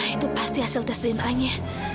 itu pasti hasil tes dna nya